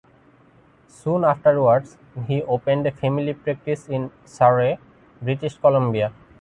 Soon afterwards, he opened a family practice in Surrey, British Columbia.